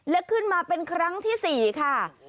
และขึ้นมาเป็นครั้งที่๔ค่ะ